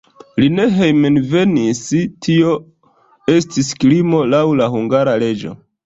Li ne hejmenvenis, tio estis krimo laŭ la hungara leĝo.